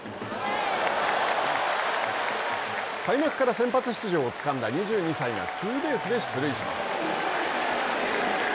開幕から先発出場をつかんだ２２歳が、ツーベースで出塁します。